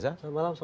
selamat malam salam